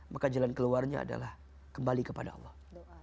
maka jalan keluarnya adalah kembali kepada allah